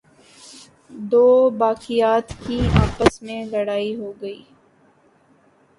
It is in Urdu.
دوباقیات کی آپس میں لڑائی ہوگئی۔